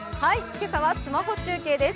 今朝はスマホ中継です。